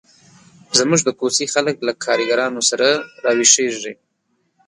زموږ د کوڅې خلک له کارګانو سره راویښېږي.